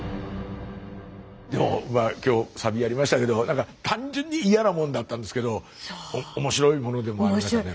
今日「サビ」やりましたけどなんか単純に嫌なもんだったんですけど面白いものでもありましたね。